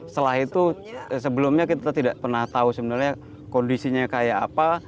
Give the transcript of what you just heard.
setelah itu sebelumnya kita tidak pernah tahu sebenarnya kondisinya kayak apa